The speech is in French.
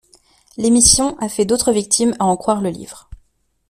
L'émission a fait d'autres victimes à en croire le livre.